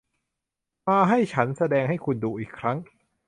มา ให้ฉันแสดงให้คุณดูอีกครั้ง